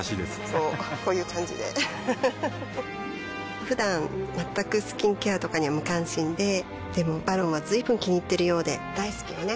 こうこういう感じでうふふふだん全くスキンケアとかに無関心ででも「ＶＡＲＯＮ」は随分気にいっているようで大好きよね